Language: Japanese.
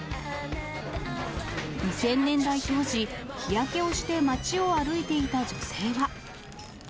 ２０００年代当時、日焼けをして街を歩いていた女性は。